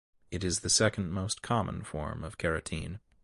It is the second most common form of carotene.